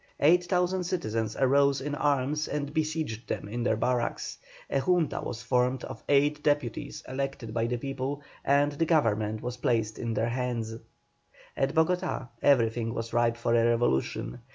Eight thousand citizens arose in arms and besieged them in their barracks. A Junta was formed of eight deputies elected by the people, and the government was placed in their hands. At Bogotá everything was ripe for a revolution.